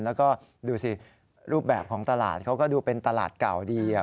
แล้วก็ดูสิรูปแบบของตลาดเขาก็ดูเป็นตลาดเก่าดี